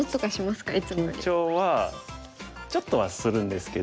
緊張はちょっとはするんですけど。